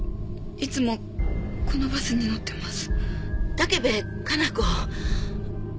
いつもこのバスに乗ってます。